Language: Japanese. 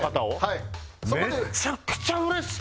めちゃくちゃうれしい。